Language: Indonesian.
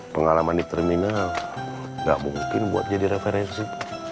pengalaman di terminal nggak mungkin buat jadi referensi